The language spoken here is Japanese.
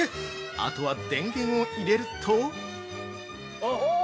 あとは電源を入れると◆おおっ！